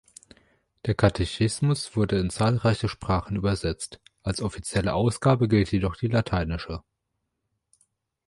Der Katechismus wurde in zahlreiche Sprachen übersetzt, als offizielle Ausgabe gilt jedoch die lateinische.